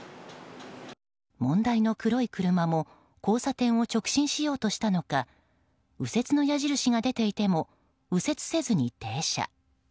問題の黒い車も交差点を直進しようとしたのか右折の矢印が出ていても右折せずに停車。